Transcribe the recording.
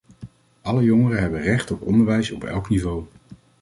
Alle jongeren hebben recht op onderwijs – op elk niveau.